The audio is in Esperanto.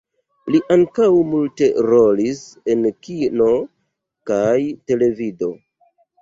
Li ankaŭ multe rolis en kino kaj televido.